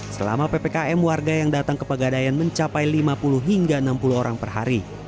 selama ppkm warga yang datang ke pegadaian mencapai lima puluh hingga enam puluh orang per hari